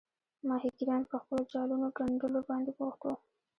ماهیګیران پر خپلو جالونو ګنډلو باندې بوخت وو.